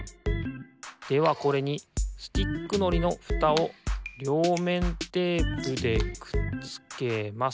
ではこれにスティックのりのフタをりょうめんテープでくっつけますと。